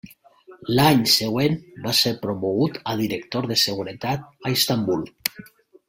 L'any següent va ser promogut a director de seguretat, a Istanbul.